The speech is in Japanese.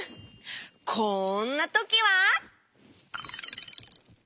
こんなときは！